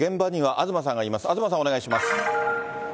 東さん、お願いします。